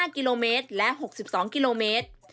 ๕กิโลเมตรและ๖๒กิโลเมตร